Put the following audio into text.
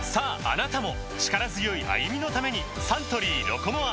あなたも力強い歩みのためにサントリー「ロコモア」